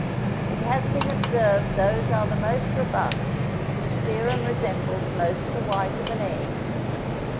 It has been observed those are the most robust whose serum resembles most the white of an egg.